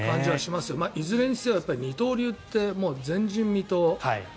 いずれにしても二刀流って前人未到。